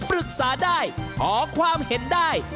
ปรึกษาได้ขอความเห็นได้